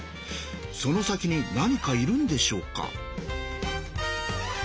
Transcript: その先に何かいるんでしょうか。